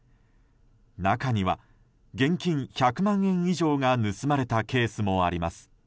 中には現金１００万円以上が盗まれたケースもあります。